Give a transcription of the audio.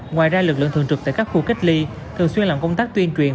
ngoài ra lực lượng thường trực tại các khu cách ly thường xuyên làm công tác tuyên truyền